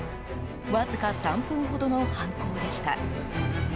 わずか３分ほどの犯行でした。